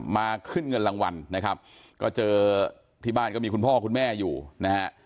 มาขึ้นเงินรางวัลนะครับก็เจอที่บ้านก็มีคุณพ่อคุณแม่อยู่นะฮะ